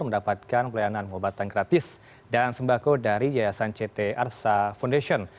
mendapatkan pelayanan pengobatan gratis dan sembako dari yayasan ct arsa foundation